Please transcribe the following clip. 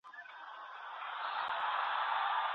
ولي محنتي ځوان د پوه سړي په پرتله موخي ترلاسه کوي؟